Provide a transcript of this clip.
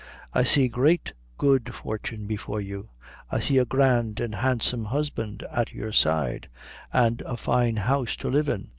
I see great good fortune before you. I see a grand an' handsome husband at your side, and a fine house to live in.